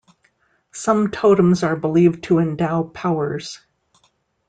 Some totems are believed to endow powers.